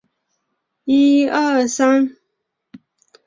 谢讷杜伊人口变化图示